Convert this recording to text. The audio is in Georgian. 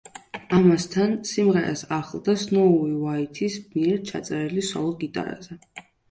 ამასთან, სიმღერას ახლდა სნოუი უაიტის მიერ ჩაწერილი სოლო გიტარაზე.